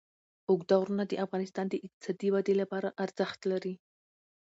اوږده غرونه د افغانستان د اقتصادي ودې لپاره ارزښت لري.